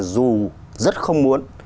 dù rất không muốn